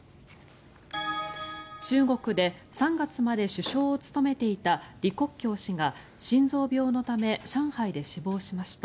中国で３月まで首相を務めていた李克強氏が心臓病のため上海で死亡しました。